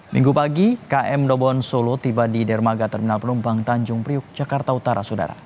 minggu pagi km dobon solo tiba di dermaga terminal penumpang tanjung priuk jakarta utara saudara